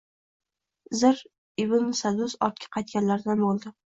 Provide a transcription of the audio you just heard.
Zir ibn Sadus ortga qaytganlardan bo‘ldi